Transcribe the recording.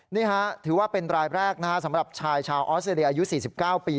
นี่ฮะถือว่าเป็นรายแรกสำหรับชายชาวออสเตรเลียอายุ๔๙ปี